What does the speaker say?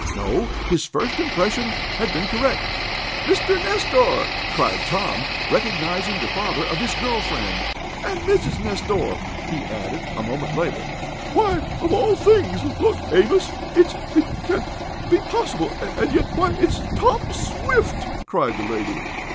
No, his first impression had been correct. "Mr. Nestor!" cried Tom, recognizing the father of his girl friend. "And Mrs. Nestor!" he added a moment later. "Why of all things look Amos it's it can't be possible and yet why, it's Tom Swift!" cried the lady.